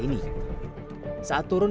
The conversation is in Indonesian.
ini saat turun